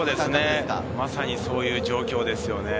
まさに、そういう状況ですよね。